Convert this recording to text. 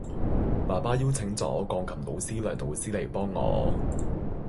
爸爸邀請咗鋼琴老師梁老師嚟幫我